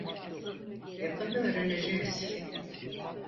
Yakında öğreneceğiz.